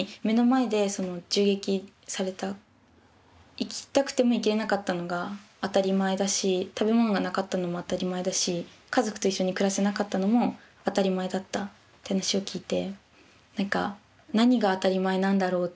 生きたくても生きれなかったのが当たり前だし食べ物がなかったのも当たり前だし家族と一緒に暮らせなかったのも当たり前だったって話を聞いて。